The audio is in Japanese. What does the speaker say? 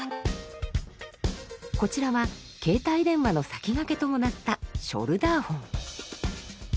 こちらは携帯電話の先駆けともなったショルダーホン。